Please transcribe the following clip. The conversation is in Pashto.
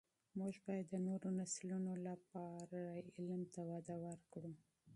موږ باید د نوو نسلونو لپاره علم ته وده ورکړو.